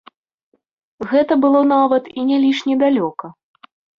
Гэта было нават і не лішне далёка.